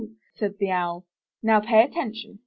said the Owl. '*Now pay atten tion.